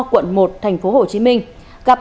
quận một thành phố hồ chí minh gặp